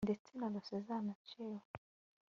ndetse narose zanaciwe